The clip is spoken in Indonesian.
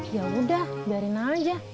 yaudah biarin aja